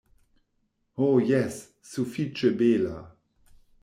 Ho jes, sufiĉe bela.